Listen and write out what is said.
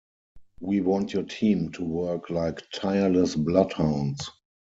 We want your team to work like tireless bloodhounds.